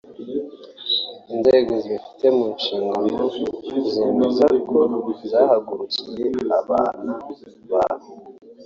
inzego zibifite mu nshingano zemeza ko zahagurukiye aba bantu